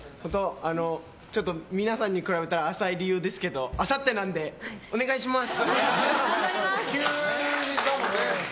ちょっと皆さんに比べたら浅い理由ですけどあさってなんで、お願いします！